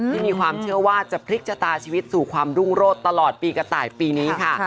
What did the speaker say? มีความเชื่อว่าจะพลิกชะตาชีวิตสู่ความรุ่งโรศตลอดปีกระต่ายปีนี้ค่ะ